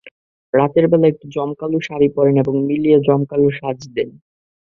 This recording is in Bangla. রাতের বেলা একটু জমকালো শাড়ি পরেন এবং মিলিয়ে জমকালো সাজ দেন।